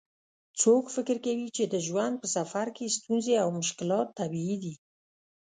څوک فکر کوي چې د ژوند په سفر کې ستونزې او مشکلات طبیعي دي